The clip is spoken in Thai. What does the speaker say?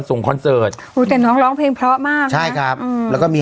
คอนเสิร์ตอุ้ยแต่น้องร้องเพลงเพราะมากใช่ครับอืมแล้วก็มี